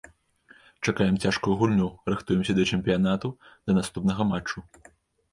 Чакаем цяжкую гульню, рыхтуемся да чэмпіянату, да наступнага матчу.